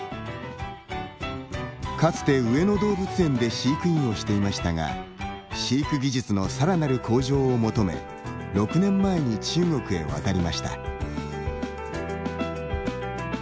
かつて上野動物園で飼育員をしていましたが飼育技術のさらなる向上を求め６年前に中国へ渡りました。